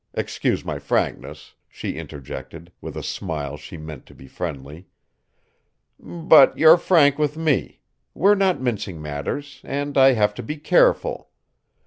Excuse my frankness," she interjected, with a smile she meant to be friendly; "but you're frank with me; we're not mincing matters; and I have to be careful.